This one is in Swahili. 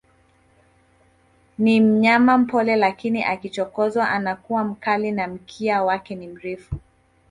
Ni mnyama mpole lakini akichokozwa anakuwa mkali na mkia wake ni mrefu